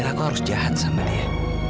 dan aku harus jahat sama dia